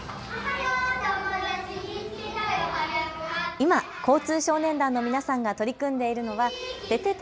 今、交通少年団の皆さんが取り組んでいるのはててて！